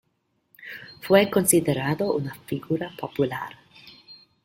Fue considerado una figura popular.